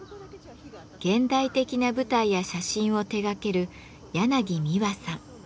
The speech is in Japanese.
現代的な舞台や写真を手がけるやなぎみわさん。